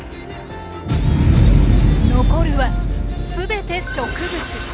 残るは全て植物！